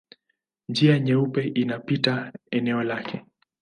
Njia Nyeupe inapita eneo lake.